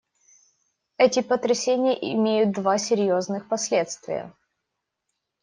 Эти потрясения имеют два серьезных последствия.